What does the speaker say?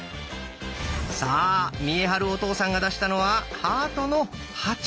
さあ見栄晴お父さんが出したのは「ハートの８」。